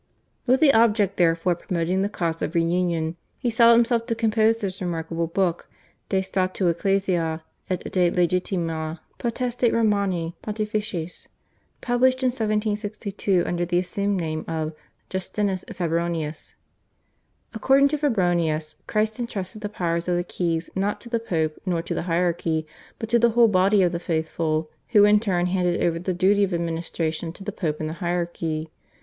With the object therefore of promoting the cause of reunion he set himself to compose his remarkable book, /De Statu Ecclesiae et de Legitima Potestate Romani Pontificis/, published in 1762 under the assumed name of Justinus Febronius. According to Febronius Christ entrusted the power of the keys not to the Pope nor to the hierarchy, but to the whole body of the faithful, who in turn handed over the duty of administration to the Pope and the hierarchy.